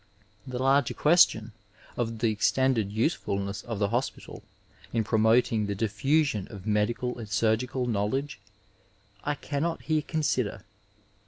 The la^r question, of the extended usefulness of the hospital in promoting the diffusion of medical and surgical knowledge, I cannot here consider.